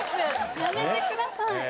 やめてください。